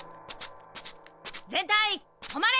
全体止まれ！